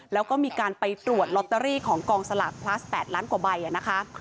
แล้วก็มีการไปตรวจลอตเตอรี่ของกองสลากพลัส๘ล้านกว่าใบนะคะ